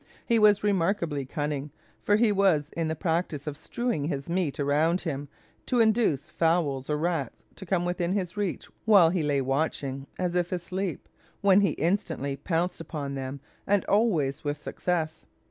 He was remarkably cunning, for he was in the practice of strewing his meat around him, to induce fowls or rats to come within his reach while he lay watching, as if asleep, when he instantly pounced upon them, and always with success.